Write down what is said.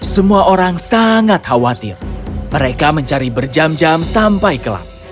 semua orang sangat khawatir mereka mencari berjam jam sampai gelap